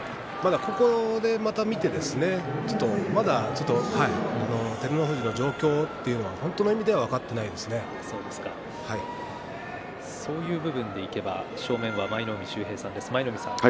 ここで、また見てですねまだ照ノ富士の状況というのは本当の意味ではそういう部分でいけば舞の海秀平さん